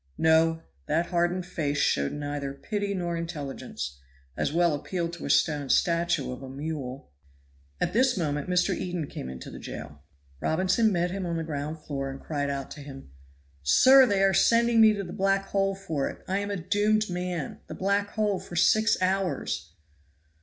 No! that hardened face showed neither pity nor intelligence; as well appeal to a stone statue of a mule. At this moment Mr. Eden came into the jail. Robinson met him on the ground floor, and cried out to him, "Sir, they are sending me to the black hole for it. I am a doomed man; the black hole for six hours."